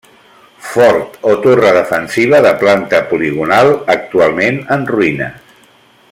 Fort o torre defensiva de planta poligonal, actualment en ruïnes.